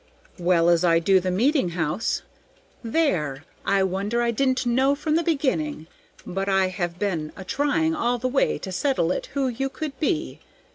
"Well as I do the meeting house. There! I wonder I didn't know from the beginning, but I have been a trying all the way to settle it who you could be.